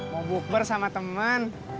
mau bukber sama temen